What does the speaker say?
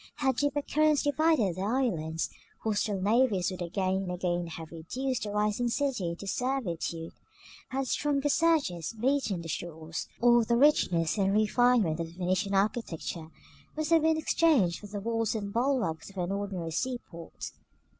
Had deeper currents divided their islands, hostile navies would again and again have reduced the rising city into servitude; had stronger surges beaten their shores, all the richness and refinement of the Venetian architecture must have been exchanged for the walls and bulwarks of an ordinary sea port.